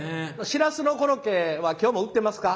シラスのコロッケは今日も売ってますか？